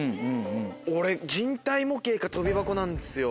俺人体模型か跳び箱なんですよ。